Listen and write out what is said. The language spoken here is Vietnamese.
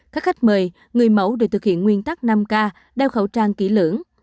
các khách mời người mẫu đều thực hiện nguyên tắc năm k đeo khẩu trang kỹ lưỡng